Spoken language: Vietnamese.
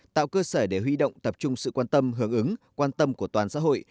tạo cơ sở để huy động tập trung sự quan tâm hưởng ứng quan tâm của toàn xã hội